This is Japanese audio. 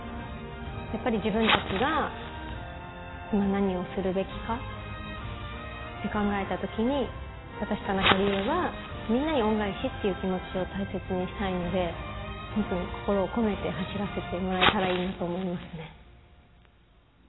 やっぱり自分たちが今何をするべきかって考えたときに、私、田中理恵は、みんなに恩返しっていう気持ちを大切にしたいので、本当に心を込めて走らせてもらえたらいいなって思いますね。